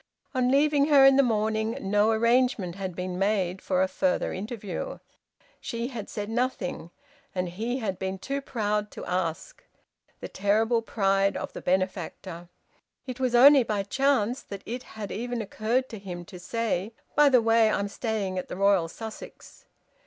On leaving her in the morning no arrangement had been made for a further interview. She had said nothing, and he had been too proud to ask the terrible pride of the benefactor! It was only by chance that it had even occurred to him to say: "By the way, I am staying at the Royal Sussex."